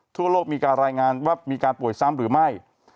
ทั่วโลกมีการรายงานว่ามีการป่วยซ้ำหรือไม่